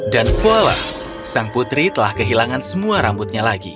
dan voila sang putri telah kehilangan semua rambutnya lagi